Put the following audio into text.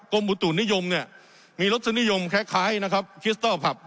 อุตุนิยมเนี่ยมีรสนิยมคล้ายนะครับคิสเตอร์ผับ